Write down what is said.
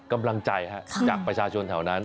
กำลังใจจากประชาชนแถวนั้น